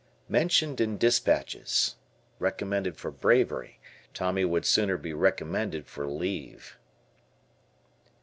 Mentioned in Despatches. Recommended for bravery. Tommy would sooner be recommended for leave.